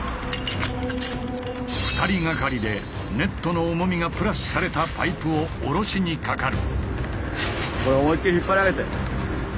２人がかりでネットの重みがプラスされたパイプを下ろしにかかる。